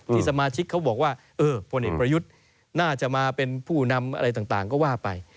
สมาชิกเขาบอกว่าพลเอกประยุทธ์น่าจะมาเป็นผู้นำอะไรต่างก็ว่าไป